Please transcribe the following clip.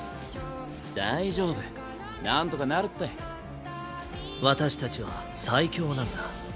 大丈夫なんとかなるって私たちは最強なんだ。